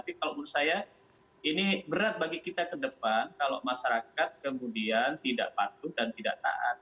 tapi kalau menurut saya ini berat bagi kita ke depan kalau masyarakat kemudian tidak patuh dan tidak taat